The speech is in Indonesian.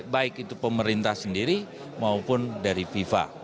baik itu pemerintah sendiri maupun dari fifa